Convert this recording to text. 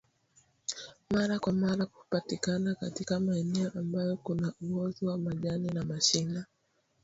Mara kwa mara hupatikana katika maeneo ambayo kuna uozo wa majani na mashina